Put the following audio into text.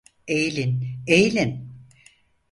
Eğilin, eğilin!